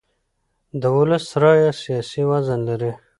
د ولس رایه سیاسي وزن لري